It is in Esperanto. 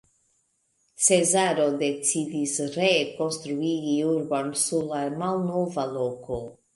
Cezaro decidis, ree konstruigi urbon sur la malnova loko.